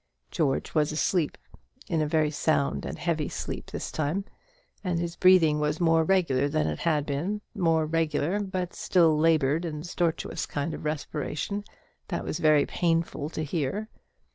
George was asleep; in a very sound and heavy sleep this time; and his breathing was more regular than it had been more regular, but still a laboured stertorous kind of respiration that was very painful to hear.